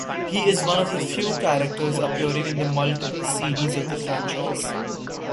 He is one of the few characters appearing in multiple series of the franchise.